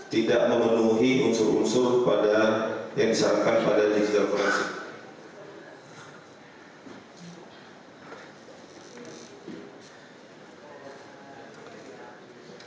tidak memenuhi unsur unsur yang disarankan pada digital forensik